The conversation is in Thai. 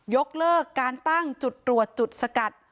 ยกเลิกการตั้งจุดตรวจจุดสกัด